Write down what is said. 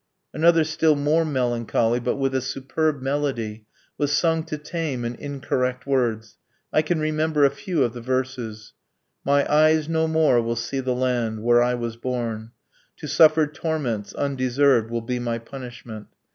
Another still more melancholy, but with a superb melody, was sung to tame and incorrect words. I can remember a few of the verses: My eyes no more will see the land, Where I was born; To suffer torments undeserved, Will be my punishment.